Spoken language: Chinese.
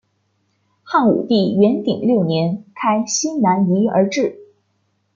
汉武帝元鼎六年开西南夷而置。